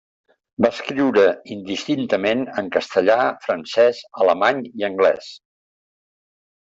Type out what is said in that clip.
Va escriure indistintament en castellà, francès, alemany i anglès.